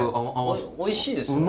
おいしいですよね？